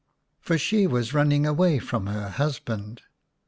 For she was running away from her husband.